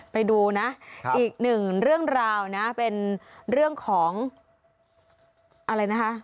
ไปดูนะอีกหนึ่งเรื่องราวนะเป็นเรื่องของอะไรนะคะ